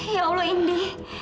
ya allah indi